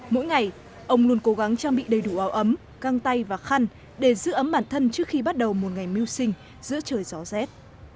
mỗi ngày ông luôn cố gắng trang bị đầy đủ áo ấm căng tay và khăn để giữ ấm bản thân trước khi bắt đầu một ngày mưu sinh giữa trời gió rét